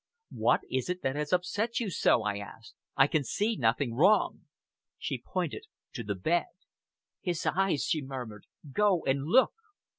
"What is it that has upset you so?" I asked. "I can see nothing wrong." She pointed to the bed. "His eyes!" she murmured. "Go and look!"